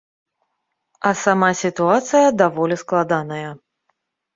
А сама сітуацыя даволі складаная.